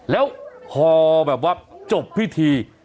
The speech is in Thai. แล้วพอแบบว่าจบพิธี